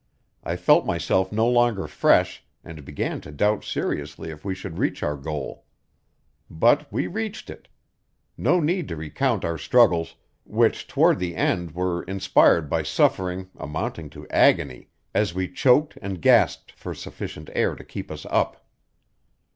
I felt myself no longer fresh, and began to doubt seriously if we should reach our goal. But we reached it. No need to recount our struggles, which toward the end were inspired by suffering amounting to agony as we choked and gasped for sufficient air to keep us up.